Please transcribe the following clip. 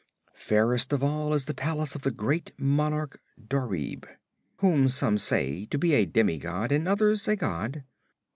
Fairest of all is the palace of the great monarch Dorieb, whom some say to be a demigod and others a god.